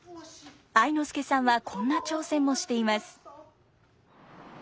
愛之助さんはこんな挑戦もしています。